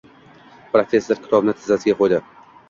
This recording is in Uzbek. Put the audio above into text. Professor kitobni tizzasiga qo`ydi